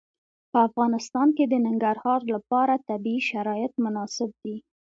په افغانستان کې د ننګرهار لپاره طبیعي شرایط مناسب دي.